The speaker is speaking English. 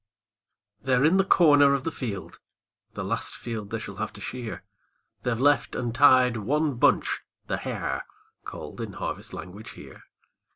END OF in the corner of the field, * The last field they shall have to shear, They've left and tied one bunch, * the hare/ Called in harvest language here.